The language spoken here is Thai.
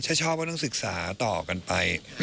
ชอบก็ต้องศึกษาต่อกันไป